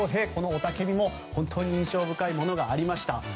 雄たけびも本当に印象深いものがありました。